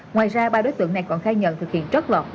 ngoài ra ba đối tượng này còn khai nhận thực hiện trót lọt